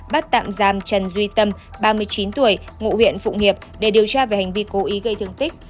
bắt tạm giam trần duy tâm ba mươi chín tuổi ngụ huyện phụng hiệp để điều tra về hành vi cố ý gây thương tích